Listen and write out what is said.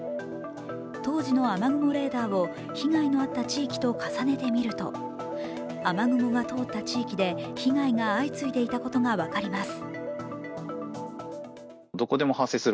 当時の雨雲レーダーを被害のあった地域と重ねてみると雨雲が通った地域で被害が相次いでいたことが分かります。